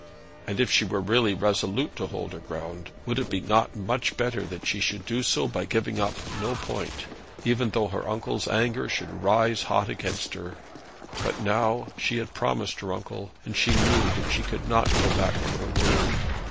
And if she were really resolute to hold her ground, would it not be much better that she should do so by giving up no point, even though her uncle's anger should rise hot against her? But now she had promised her uncle, and she knew that she could not go back from her word.